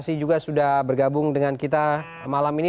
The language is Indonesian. mas ferdie juga sudah bergabung dengan kita malam ini